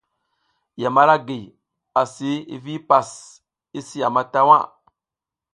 Yam ara gi, asi, hi vi hipas i si yama ta waʼa.